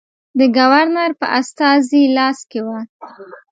د ګورنر په استازي لاس کې وه.